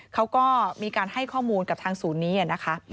เขาก็มีการให้ข้อมูลกับทางศูนย์นี้นะคะ